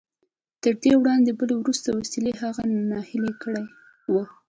تر دې وړاندې بلې ورته وسیلې هغه ناهیلی کړی و